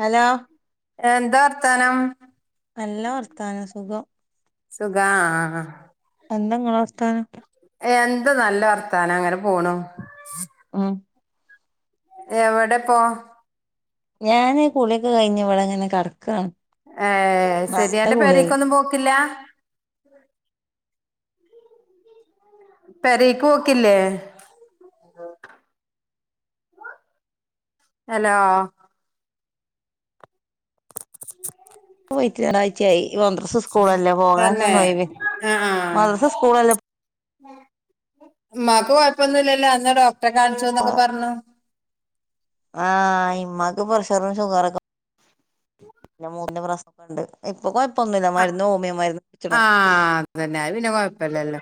Hello എന്താ വർത്താനം നല്ല വർത്താനം സുഖം സുഖാ ആഹ് [unintelligible] വർത്താനൊക്കെ എന്താ നല്ല വർത്താനം അങ്ങനെ പോണു. ഉം എവടെ പോ? ഞാന് കുള്യൊക്കെ കഴിഞ്ഞ് ഇവടെങ്ങനെ കടക്കാണ്. ഏഹ് അത് സെരി അന്റെ പേരേക്കൊന്നും പോക്കില്ല. പെരേക്കോക്കില്ലേ? അലോ പോയിട്ട് ഒരാഴ്ച്ചായി മദ്രസ് സ്കൂളല്ലേ തന്നെ പോകാനൊന്നൊയ് വി മദ്രസ് സ്കൂളല്ലേ ഇമ്മാക്ക് കൊയപ്പൊന്നുല്ലല്ലോ അന്ന് ഡോക്ടറെ കാൺച്ചുന്നൊക്കെ പർഞ്ഞു. ആഹ് ഇമ്മാക്ക് പ്രഷറും ഷുഗറൊക്കെ പിന്നെ മൂ [unintelligible] ൻ്റെ പ്രശ്‌നൊക്കെണ്ട് ഇപ്പൊ കൊഴപ്പൊന്നുല്ല ആഹ് മര്ന്ന് ഓമിയ മര്ന്ന് ച്ച്ണ്. ആഹ് അതന്നെ അത് പിന്നെ കുഴപ്പല്ലല്ലോ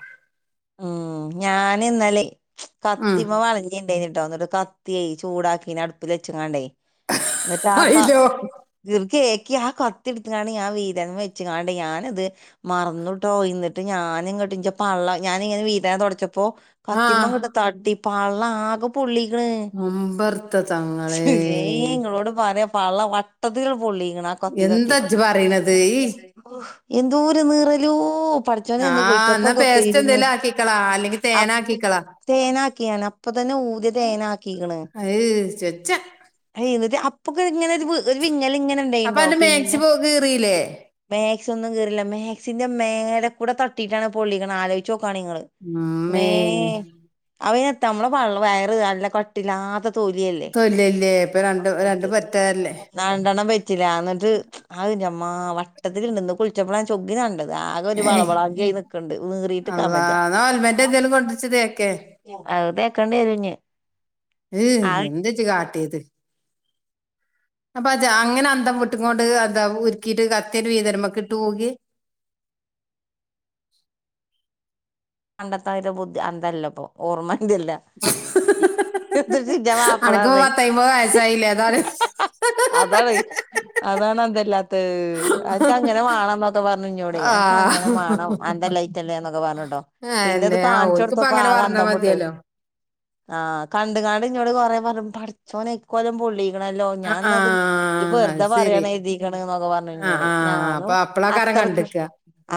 ഉം ഞാനിന്നെലെ ഉം കത്തിമ്മേ വളഞ്ഞിണ്ടെനി ട്ടൊ ന്നട്ട് കത്ത്യെ ചൂടാക്കിന്ന് അട്പ്പ്ല് വെച്ച്ങ്ങാണ്ടേ ന്നട്ട് പാപാ അയിലോ [unintelligible] ക്കേ ക്ക്യാ കത്തിട്ത്ത്ങ്ങാണ്ട് ഞാ വീതൻമെ വെച്ച്ങ്ങാണ്ട് ഞാനിത് മർന്ന്ട്ടോ ഇന്നട്ട് ഞാന്ങ്ങ ണ്ട് ഞ്ചെപള്ള ഞാനിങ്ങനെ വീതന തൊടച്ചപ്പോ ആഹ് കത്തിമ്മങട്ട് തട്ടി പള്ളാകെ പൊള്ളി. ക്ക്ണ്. മുമ്പർത്ത ച്ച് തങ്ങളെ ഏയ് ഇങ്ങളോട് പറ്യ പള്ള വട്ടത്ത്ല് [unintelligible] പൊള്ളിക്ക്ണ് ആ കത്തി തട്ടി എന്താ ഇജ്ജ് പറയണത് ഈ [unintelligible] എന്തോര് നീറലോ പട്ച്ചോനെ ഇന്ന് കുൾച്ചപ്പൊക്കെ പെ എന്തെലക്കിക്കള അല്ലെങ്കി തേനാക്കിക്കളാ. തേനാക്കിയാന് അപ്പൊ തന്നെ ഊത്യെ തേനാക്കിണ്. അത് ചെച്ച ഇങ്ങനൊരു വ് ഒര് അപ്പൊ വിങ്ങലിങ്ങനെണ്ടെയ്ൻട്ടോ അന്റെ മാക്സി പിന്നെ പോ കീറിയില്ലേ മാക്സി ഒന്നും കീറില്ല മാക്സിന്റെ മേലെ കൂടെ തട്ടിട്ടാണ് പൊള്ളിക്കണെ ആലോചി പണികള് ഉമ്മേ മ്മേ [unintelligible] അമ്മളെ പൾ വയറ് നല്ല കട്ടില്ലാത്ത തൊലിയല്ലേ തൊല്ലല്ലേ ഇപ്പൊ രണ്ട് രണ്ട് [unintelligible] പറ്റല്ലേ നണ്ടെണ്ണം പറ്റില്ല അന്നിട്ട് ആഹ് ഇൻ്റമ്മോ ആഹ് വട്ടത്തില്ണ്ട് ഇന്ന് കുളിച്ചപ്പളാ ഞാൻ ചൊകിന് കണ്ടത് ആകെ ഒരു ഏയ് വളവളാഞ്ചി ആയി നിക്കണ്ട് നീറി അള്ളാ ഇന്നാ ഓൽമെൻ്റ് എന്തേലും കൊണ്ടച്ച് തേക്ക് അത് തേക്കണ്ടി വരുന്നി ഈ എന്താജ് കാട്ടിയത് അപ്പൊ അജ് അങ്ങനെ അന്തം വിട്ട്ങ്ങോണ്ട് എന്താ ഉരുക്കീട്ട് കത്തി അട് വീതനമ്മെക്കെ ഇട്ട് പോകെ പണ്ടത്താതിരി ബുദ്ധി അന്തല്ല ഇപ്പൊ ഓർമ്മൻ്റെയല്ല [unintelligible] ഇൻ്റെ മാപ്പള അനക്കിപ്പോ പറഞ്ഞേ? [unintelligible] വയസ്സായില്ലേ അതാണ് ഇല്ലാത്തെ അനക്ക്ങ്ങനെ വാണം എന്നൊക്കെ പറഞ്ഞു ഇന്നോടെ അനക്ക് അങ്ങനെ ആഹ് വാണം അന്തല്ലായിറ്റല്ലേ എന്നൊക്കെ പറഞ്ഞൂട്ടോ പിന്നെ ഇത് അന്നെ ആ കാണിച്ചു ഓൽക്കിപ്പ കൊടുത്തപ്പ അങ്ങനെ ആകെ പറഞ്ഞാ അന്തം വിട്ട് മതിയല്ലോ ആഹ് കണ്ട്ങ്ങാട് ഇന്നോട് കൊറെ പറ പഠിച്ചോനെ ഈ കോലം പൊള്ളി ക്കണല്ലോ ആ ഞാൻ ആ ഇന്നാ ഇത് ഇജ്ജ് അത് വെറുതെ ശരി പറയാണ് കരുതീക്കണ് ന്നൊക്കെ പറഞ്ഞു ഇന്നോട് ഞാനും അ കണ്ട്ക്കാ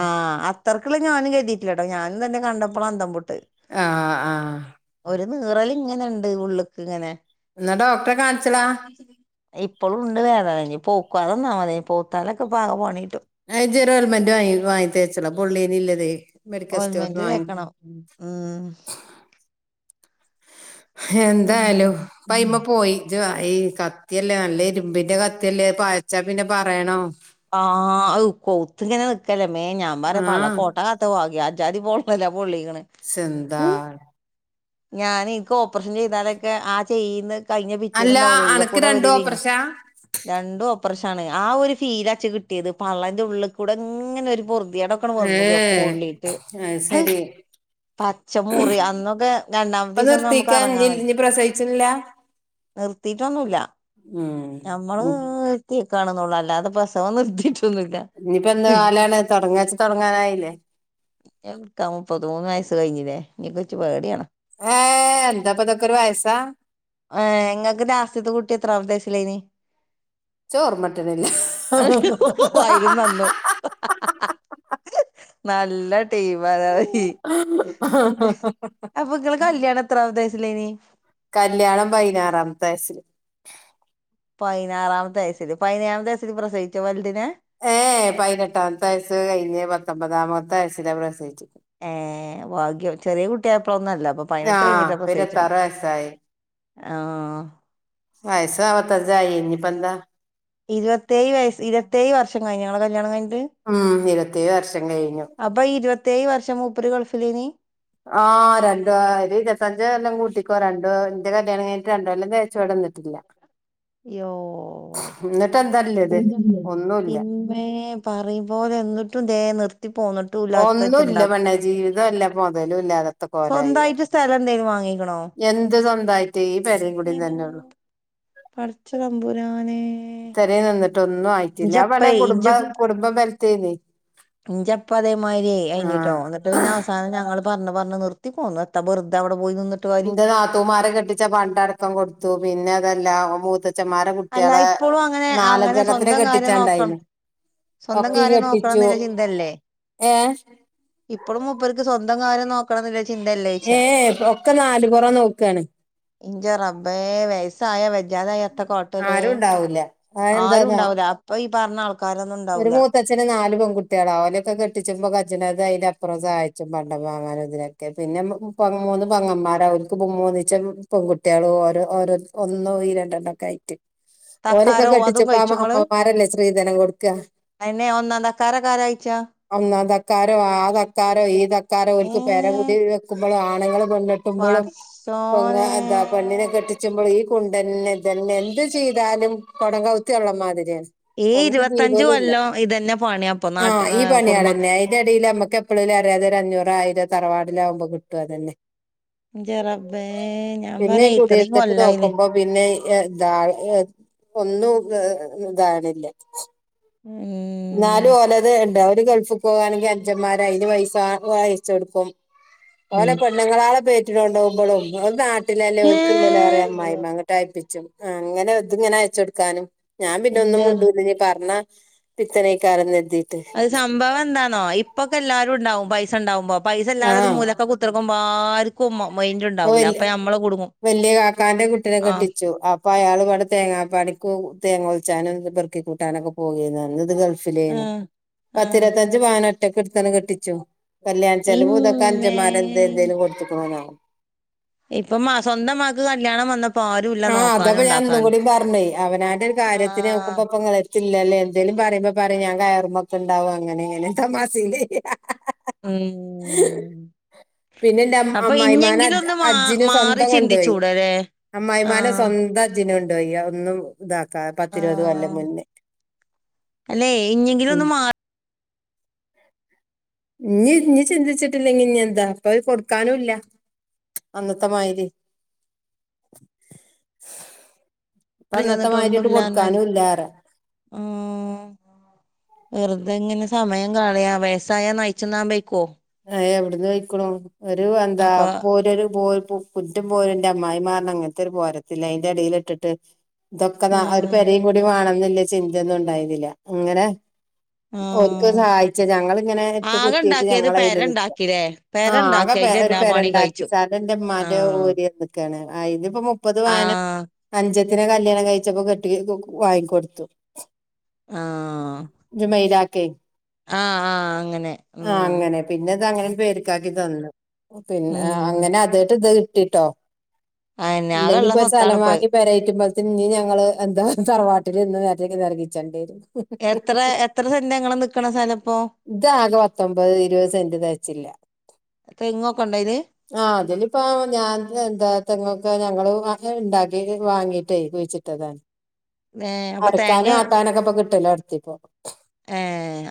ആഹ് അത്രയ്ക്കുള്ള ഞാനും കരുതിയിട്ടില്ല കേട്ടോ ഞാനും അന്നെ കണ്ടപ്പളാ അന്തം വിട്ടെ ആഹ് ആഹ് [unintelligible] നീറല് ഇങ്ങനെണ്ട് ഉള്ള്ക്ക് ഇങ്ങനെ എന്നാ ഡോക്ടറെ കാണിച്ചളാ ഇപ്പളും ഇണ്ട് വേദന ഇനിപ്പോ ക്കാതെ ഇന്നാ മതി പയുത്താലൊക്കെ ഇപ്പ ആകെ പണി കിട്ടും ആ ഇജ് ഒരു ഓയിൽമെൻ്റ് വാങ്ങി വാങ്ങി തേച്ചളാ പൊള്ളിയേന് ഇള്ളതേ ഓയിൽമെൻ്റ് തേക്കണം ഉം എന്തായാലും പ അയ്മേ പോയി ഈ കത്തിയല്ലേ നല്ല ഇരുമ്പിന്റെ കത്തിയല്ലേ പായച്ചാ പിന്നെ പറയണോ ആഹ് കൊത്ത്ങ്ങനെ നക്കലേ മേ ഞാൻ പറ ആ പള്ള കോട്ടകത്ത് പോക ാരി പോളണല്ല പൊളിണ് എന്താ ഞാൻ ഇനിക്ക് ഓപ്പറേഷൻ ചെയ്താലൊക്കെ ആ ചെയ്യന്ന് കഴിഞ്ഞ അല്ല പിറ്റേന്നണ്ടാവ ഉള്ള അനക്ക് കൂടെ ഒരു രണ്ടും ഓപ്പറേഷനാ രണ്ടും അ്രശ ആ ഒരു ഫീൽച്ച കിട്ടിയത് പള്ളൻന്റെ ഉള്ളിൽ കൂടെ ഇങ്ങനെ ഒരുറ അടക്കണ വന്നു ഏ വപ്പോ ഉള്ളിട്ട് അത് അ ശരി പച്ചമ മുറി അന്നൊക്കെ രണ്ടാമത്തെ ഇപ്പൊ ദിവസം ഒന്ന് നമുക്ക് നിർത്തിക്കാ ഇനി ഇറങ്ങാൻ കഴും ഇനി പ്രസവിച്ചില്ല നിർത്തിട്ടൊന്നുംല്ല ഉം ഞമ്മള് കാണുന്നുള്ളൂ അല്ലാതെസം നിർത്തിയിട്ട് ഇനിയിപ്പോ എന്ത് കാലാണ് തുൊടങ്ങച്ച തുടങ്ങാനായില്ലേ എക്ക മുപ്പത് മൂന്ന് വയസ്സ് കഴിഞ്ഞില്ലേ നീ കൊച്ചച്ച് പേടയാണോ ഏ എന്താ പതക്ക വായസാ ആഏ എങ്ങക്ക് രാസ്യത്തെ കുട്ടി എത്ര ഉദേശില്ല ഇനി ചോറ മറ്റനല്ല ആ അയിലും നന്നു നല്ല ടീം അത അപ്പൊ നിങ്ങ കല്യാണം എത്ര അവദേശ േ കല്യാണം പതിനാറാമത്തെ വയസിില് പതിനാറാമത്തെ വയസൽ പതിനാമത്തെ വയസൽ പ്രസയിിച്ച വലഡിനന് ഏഹ പതിനെട്ടാമത്തെ വയസ്സ് കഴിഞ്ഞ് പത്തൊമ്പതാമത്തെ വയസ്സില പ്രസയിിച്ചു ഏർ ഭാഗ്യം ചെറിയ കുട്ടിയായപ്പഴൊന്നുംല്ല അപ്പൊ പതിനെട്ട് കഴിഞ്ഞിട്ട് അപ്പ സേയിച്ചോ ആ ഹ ആയ സവത്ത ജായനിപ്പന്ത ഇരുപത്തേ വയ ഇരുത്തേ് വർഷം കഴിഞ്ഞഞങ്ങള കല്യാണം കഴി ഉം ഇരുപത്തേഴ് വർഷം കഴിഞ്ഞു അപ്പൊ ഇരുപത്തയേഴ് വർഷം മൂപ്പര് കൊഴപ്പില്ല നീ ആ രണ്ടോ ഇത്തഞ്ച എല്ലാം കൂട്ടിക്കോ രണ്ടോ എന്റെ കല്യാണം കിട്ട് രണ്ടോ എല്ലാം തേച്ചട [unintelligible] ോ എന്താല്ലത് ഒന്നുല്ല പിന്നേ പറയുംുമ പോോലെ എന്നിട്ടും നിർത്തി പോന്നിട്ടുംല്ല അത്തട്ട ഒന്നുല്ല ഇണ്ടാക്കി പെണ്ണെ ജീവിതല്ല മൊതലും ഇല്ലാകത്ത കോലായി സ്വന്തമായിട്ട് സ്ഥലം എന്തേു വാങ്ങ എന്ത് സ്വന്തായിട്ട് ഈ പെരയുംകൂടന്ന് തന്നെ ഉള്ളു ഇൻ- പടച്ച തമ്പുരാനെ ഇത്തരെ നിന്നിട്ടൊന്നും ആയിട്ടില്ല വള ഇഞ്ചപ്പേ കുടുംബ കുടുംബബലത്തി ന്ന ഇഞ്ചപ്പതേമാതിരി കഴഞ്ഞിട്ടോ എന്നിട്ട് പിന്ന അവസാനം ഞ പറഞ്ഞ പറഞ്ഞ നിർത്തി പോ വറുതെവി എന്റെ നാത്തൂമാർ കെട്ടിച്ചാ പണ്ടടക്കം കൊടുത്തു പിന്നെ അതെല്ല മൂത്ത അല്ല ഇപ്പോളും അങ്ങനെ അങ്ങനെ നാലഞ്ചെണ്ണത്തിനെ സ്വന്തം കാര്യം നോക്കണം കെട്ടിച്ചാണ്ടായിന് സ്വന്തം ഒക്കിം കാര്യം നോക്കണം കെട്ടിച്ചു എന്നില്ല ചിന്തല്ലേ ഏ ഇപ്പഴും മുപ്പർക്ക് സ്വന്തം കാര്യം നോക്കണില്ല ഏ ഒക്കെ നാല് കുറ നോക്കയാണ് ഇഞ്ച റബേ വയസ ആയാ വെജാതത്ര േ ആരും ഉണ്ടാവൂല ആരും അതെന്താന്നോ ഉണ്ടാവല അപ്പ ഒരു മൂത്തച്ഛന് നാല് പ കുട്ടികളാവലൊക്കെ കെട്ടിച്ചു കജ് ണതുംഅതിനപ്പറം സഹായിച്ചും, പണ്ട വാങ്ങാനും, ഇതിനൊക്കെ. പിന്നെ മൂന്ന് പങ്ങന്മാര അവർക്ക്, മുമൂന്നിച്ചേ പെൺകുട്ടികളും ഓരോ ഓരോ. ഒന്നോ ഈ രണ്ടെണ്ട ഒക്കെ ആയിട്ട്. ഓരൊക്കെ തക്കാരോ കെട്ടിച്ചപ്പോ അമ്മമാരല്ലേ സ്ത്രീധനം കൊടു അയ്ന്, ഒന്നാം തക്കാ ഒന്നാ തക്കാരോ ആതക്കാരോ, ഈതക്കാരോ ഏ ഒരിക്ക്പേര കൂടി വെക്കും ആണുങ്ങള് പെണ്ണ് കെട്ട്മ്പളും, പടച്ചോനെ എന്താ പെണ്ണിനെ കെട്ടിച്ചുമ്പളും ഈ കൊണ്ടന്നെ തന്നെ എന്ത് ചെയ്താലും കൊടം കൗത്തി വെള്ളം മാതിരിയാണ്. ഈ ഇരുവ [unintelligible] ആ ഈ കുടുംബ പണിൾന്നെ അയ്ന്റെ എടൽ ഞമ്മക് അറിയാതെ ഒരു അഞ്ഞൂറോ ആയിരം തറവാടിലാകുമ്പോ, കിട്ടും അതന്നെ. ഇന്റെ റബ്ബേ ഞാൻ പിന്നെ പറയാ ഇത്രയും കുടയിർത്തിട്ട് കൊല്ലായില്ലേ നോക്കുമ്പോ പിന്നെ ഏത ഒന്നും ഏ ഇതാണില്ല. ഉം എന്നാലോലെത്ണ്ട് ഒര് ഗൾഫിൽക്ക് പോകാനും അഞ്ചന്മാര് അയന് പൈസ അയച്ചു കൊടുക്കും. ഉം ഓലെ പെണ്ണ്ങ്ങളാളെ പേറ്റിന് കൊണ്ട് പോകുമ്പോളും ഓൽ നാ ഏ [unintelligible] അമ്മായിമ്മ എന്നിട്ട് അയപ്പിച്ചും അങ്ങനെ ഇതങ്ങനെ അയച്ച് കൊടുക്കാനും ഞാൻ പിന്നെ ഒന്നും ഇന്റെ റ- മുണ്ടുല ഇനി പറഞ്ഞ പിത്തനേക്കാരം കരുതിയിട്ട് അത് സംഭവംഎന്താണോ ഇപ്പൊക്കെ എല്ലാരുംണ്ടാവും പൈസണ്ടാവുമ്പോ പൈസ ഇല്ലാതെ ഒരു ആഹ് മൂലക്ക് കുത്തർക്കുമ്പോ ആർക്കും മൈന്റ് ഉണ്ടാവൂല്ല അപ്പൊ നമ്മള് കുടു വലിയ കാക്കാന്റെ കുട്ടിനെ കെട്ടിച്ചു അപ്പൊ അയാൾ ഇവിടെ തേങ്ങാ പണിക്കും, തേങ്ങ ചാനും പെറുക്കിക്കൂട്ടാനൊക്കെ പോകയ്നു അന്നിതു ആ ഗൾഫിലേനു ആ പത്തിരപത്തഞ്ച് പവ ഒറ്റക്കെടുത്തണ് കെട്ടിച്ചു കല്യാണ ചിലവ് ഇതൊക്കെ ഇമ്മേ അഞ്ചന്മാര എന്ത എന്തേലും കൊടുത്തു ക്കാണാവോ ഇപ്പം. [unintelligible] സ്വന്തംമാക്ക് കല്യാണം വന്ന ആഹ് അതപ്പൊ ഞാൻ ഇന്നും കൂടി പറഞ്ഞേ അവനാന്റെ ഒരു കാര്യത്തിന് നോക്കുമ്പ ആഹ് ഇപ്പ ഇങ്ങളെടുത്ത് ഇല്ലല്ലേ എന്തേലും പറയുമ്പോപറയും ഞാൻ കയറു [unintelligible] അങ്ങനെ ഇങ്ങനെ തമാസേല് ഉം പിന്നെ എന്റെ അപ്പൊ അമ്മായിമാനെ ഇഞ്ഞെങ്കിലും ഒന്ന് മാ ഹജ്ജിന് മാറി സ്വന്തം കൊണ്ടോയി ചിന്തിച്ചൂടല്ലേ അമ്മാ മ്മായിമാനെ ആഹ് സ്വന്തം അജിന് കൊണ്ട് പോയി ഒന്നും ഇതാക്കെ പത്തിരുപത് കൊല്ലം ആഹ് മുന്നേ അല്ലെ ഇഞ്ഞെങ്കിലും ഒന്ന് മാറി ഇനി ഇനിചിന്തിച്ചിട്ടില്ലെങ്കി ഇനി എന്താ അപ്പൊ അത് കൊടുക്കാനുംല്ല. അന്നത്തെ മാരി റിന്നിട്ട ഒന്നുമല്ലന്നാല് ഉ വെറുതെ ഇങ്ങനെ സമയം കളയാ വയസ്സായ നയിച്ചു ന്നാവെയ്ക്കോ, എവിടന്ന് വയ്ക്ക്ണ് ഒരു എന്താ അപ്പൊ പോര പോ കുറ്റും പോരുംന്റെ അമ്മായിമ്മ അറിഞ്ഞ ഇങ്ങനത്തെ ഒരു പോരത്തില്ല അതിന്റെടിൽ ഇട്ടിട്ട് ഇതൊക്കെ ഒരു ഉം പരയും കൂടി വേണംന്നില്ലേ ചിന്തയൊന്നു ഉണ്ടായിന്നില്ല അങ്ങനെ ഒൽക്ക് ആഹ് സഹായിച്ച ഞങ്ങളിങ്ങനെ ഇട്ട് ആകെ കുത്തീട്ട് ഇണ്ടാക്കിയത് ഞങ്ങളെ പെര [unintelligible] ഇണ്ടാക്കില്ലേ ആ പെര ഇണ്ടാക്കി ആകെ അയിന്റെ ഒരു എല്ലാ പണിയും പെരണ്ടാക്കി കഴിച്ചു സ്ഥലം ന്റെ മ്മാന്റെ ആഹ് ഓരി ന്നക്കാണ്. ഇതിപ്പ മുപ്പത് പവനം ആഹ് അഞ്ചത്തിനെ കല്യാണം കഴിച്ചപ്പോ കെട്ടി വാങ്ങിക്കൊടുത്തു. ജുമൈലാക്ക്. ആ ആ അങ്ങനെ ആ ഉം അങ്ങനെ പിന്നെ ഇത് ആ അങ്ങനെ പിന്നത് അങ്ങനെ പേരുക്കാക്കി തന്നു. പിന്നെ ഉം അങ്ങനെ അതായിട്ട് ഇത് കി ട്ടോ അയന്നെ ഇല്ലെങ്കിൽ ആകെള്ള ഇപ്പോ സ്ഥലം സ്വത്താണിപ്പത് വാങ്ങി പേരെറ്റുമ്പ പിന്നി ഞങ്ങള് എന്താ തറവാട്ടിൽന്ന് നരകിച്ചണ്ടി വരും. എത്ര എത്ര സെന്റ നിങ്ങൾ നിക്കുന്ന സ്ഥലപ്പോ? മ്പത് ഇരുപത് സെന്റ് തയ്ച്ചില്ല, തെങ്ങൊക്കെണ്ടയില് ആ അതിലിപ്പ ഞാൻ എന്താ തങ്ങ് ഒക്കെ. ഞങ്ങള് ഉണ്ടാക്കി വാങ്ങീട്ടേ കുഴിച്ചിട്ടതാണ്. ഏഹ് അപ്പൊ തേങ്ങ അരക്കാനും ആട്ടാനൊക്കെ ഇപ്പൊ കിട്ടലൊട്ത്തിപ്പം. ഏ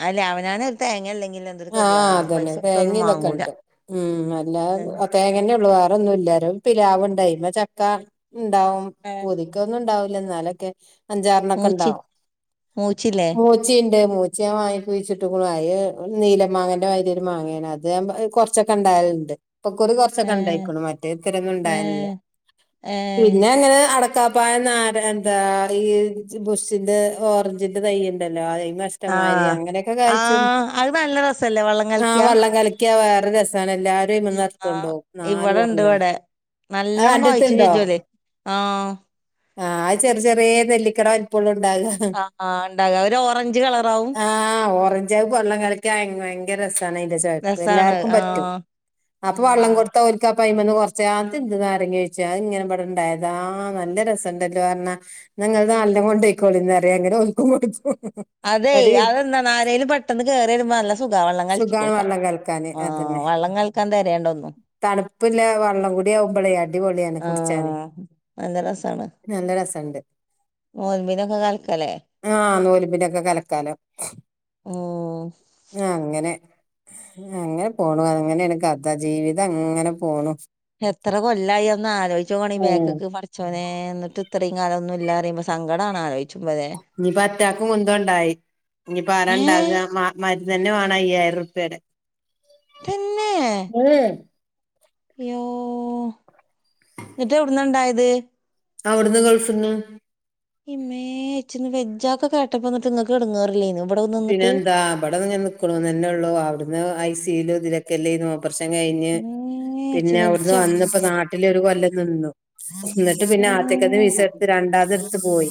അല്ലെ അവനാന് ല്ലെങ്കിൽ എന്തൊരു ആ ഗതികേടാണ് അതന്നെ പൈസ തേങ്ങ കൊടുത്തൊന്നും ഇതൊക്കെ വാങ്ങൂല ഉണ്ട് ഉം അല്ലാ ഏഹ് തേങ്ങന്നെ ഒള്ളൂ വേറൊന്നും ഇല്ല [unintelligible] പിലാവുണ്ട് അയ്മെ ചക്ക ഉണ്ടാവും ഏഹ് പൂതിക്കൊന്നും ഇണ്ടാവില്ല എന്നാലൊക്കെ അഞ്ചാറിനൊക്കെ മൂച്ചി ഉണ്ടാവും മൂച്ചില്ലേ മൂച്ചിണ്ട് മൂച്ചി ഞാൻ വാങ്ങി കുഴിച്ചിട്ട്ക്ക്ണു [unintelligible] നീല മാങ്ങന്റെ മാതിരിരു മാങ്ങയാണ് അത് കുറച്ചൊക്കെ ഉണ്ടാവലുണ്ട് ഇപ്പൊ കൊറി കുറച്ചൊക്കെ ഏഹ് ഇണ്ടായിക്ക്ണു മറ്റേ ഇത്തരൊന്നും ഇണ്ടാവലില്ല ഏഹ് ഏഹ് പിന്നെ ഞാൻ അട് ക്ക പയ നാര എന്താ ഈ ബുഷിന്റെ ഓറഞ്ചിന്റെ തൈ ഇണ്ടല്ലോ അയ് നഷ്ടമാര് ആഹ് അങ്ങനെയൊക്കെ കായ്ച്ചിന് ആഹ് അത് നല്ല രസല്ലേ വെള്ളം കളിക്കിയാ ക്യാ വേറെ രസാണ് എല്ലാരും അയ്മന്ന് ആഹ് എട്ത്തുണ്ടോ നാല് ഇവിടെണ്ട് [unintelligible] ഇവിടെ ആഹ് നല്ലോണം അന്റത്ത് കായ്ച്ചും ണ്ടോ ചെജ്ജോല് ആഹ് ആ ചെറിയ ചെറിയ നെല്ലിക്കട വൽപ്പള്ളൂ ണ്ടാക ആഹ് ആഹ് ഇണ്ടാക ഒരു ഓറഞ്ച് കളറാവും ആഹ് ഒരഞ്ചു വെള്ള കലക്കിയ ഭയങ്കര രസാണ് അയ്ന്റെ ചോയ്പ്പ് രസാണ് എല്ലാർക്കും പറ്റും ആഹ് അപ്പൊ വെള്ളം ഉം കൊടുത്ത ഓല്ക് പ അയ്മന്ന് കുറച്ച ആഹ് എന്ത് നാരങ്ങ യോഴ്ച അത് ഇങ്ങനെ ണ്ടായതാ നല്ല രസംണ്ടല്ല പറഞ്ഞാ ങ്ങൾ നലണം കൊണ്ട് കോളി റിയും അങ്ങനെ ഓല്കും കൊടുക്കും അതെ ഒരു അതെന്താ നാരേലും പെട്ടെന്ന് കേറി വന്നാ നല്ല സുഖ വെള്ളം കലക്കി സുഖാണ് കൊടുക്കാം വെള്ളം കലക്കാന് ആഹ് അതന്നെ വള്ളം കല്ക്കാൻ തരേണ്ട ഒന്നു തണുപ്പില്ല വള്ളം കൂടിയ അഉ മ്പളെ അടിപൊളിയാണെ കുടിച്ചാന് ആഹ് നല്ല രസണ്ട് നോൽബിനോകെ കൽക്കാ ല്ലേ കല്ക്കാലൊ ഉം ആഹ് അങ്ങനെ അങ്ങനെ പോണു അങ്ങനെയാണ് കഥ ജീവിതം അങ്ങനെ പോണു എത്ര കൊല്ലായിന്ന് ആലോചിച്ചോണ ഈ ഉം ബേക്കക്ക് പടച്ചോനെ എന്നിട്ട് ഇത്രയും കാലം ഒന്നും ഇല്ല അറിയുമ്പോ സങ്കട ആലോചിച്ച ഇനി അറ്റാക്ക് മുന്ത ഉണ്ടായി ഇനി പ ആരാ ഏഹ് ഇണ്ടാവാ മ മര് അത് തന്നെ വേണം അയ്യായിരം ർപിയെടെ തന്നെ ഉമ് യ്യോ.. ന്നിട്ട് എവിടുന്നണ്ടായത് അവിടുന്ന് ഗൾഫ് ന്ന് ഇമ്മേ ച്ചിന്ന് വെജ്ജൊ അഹ് കെ കേട്ടപ്പോ എന്നിട്ട് നിങ്ങൾക്ക് എടങ്ങേറില്ലേന്ന പിന്നെ എന്താ ഇമ്പടങ്ങനെ നിക്ക്‌ണുന്നോള്ളു അവിട്ന്ന് ഐ സിലും ഇതിലൊക്കെ എല്ലെനോ കോർചെരം കഴിഞ്ഞ് പിന്നെ അവ്ട്ന്ന് വന്ന് പ്പ നാട്ടിലൊരു കൊല്ലം നിന്നു ഇന്നട്ട് പിന്നെ ആതിക്കത്തെ വിസ എട്ത്ത് രണ്ടാമത് എട്ത്ത് പോയി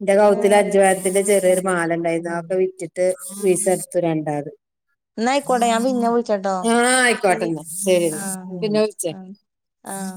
ഇന്റെ കൗത്തില് അഞ്ചുപവൻത്തിന്റെ ചെറിയൊരു മാല ഇണ്ടായിരുന്നു അത് വിറ്റിട്ട് വിസ ഇട്ത്ത് രണ്ടാത് എന്നായിക്കോട്ടെ ഞാൻ പിന്നെ വിളിച്ചട്ടോ ആഹ് ശരി ആയ്ക്കോട്ടന്നാ ശെരി ആ പിന്നെ വിൾച്ചേ ആ ആ